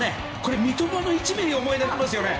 三笘の１ｍｍを思い出すよね。